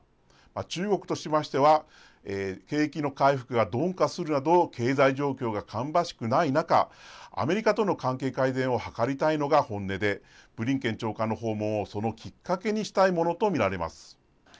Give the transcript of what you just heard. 中国としましては、景気の回復が鈍化するなど、経済状況が芳しくない中、アメリカとの関係改善を図りたいのが本音で、ブリンケン長官の訪問をそのきっかけにしたいものと見られます。